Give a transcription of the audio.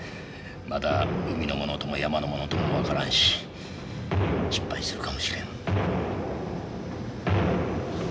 まだ海の物とも山の物とも分からんし失敗するかもしれん。